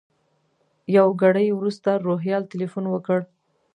یو ګړی وروسته روهیال تیلفون وکړ.